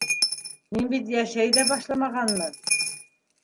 Мин бит йәшәй ҙә башламағанмын.